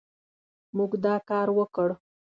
موږ دا کار وکړ